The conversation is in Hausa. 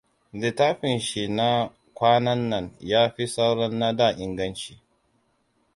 Littafin shi na kwananan ya fi sauran na da' inganci.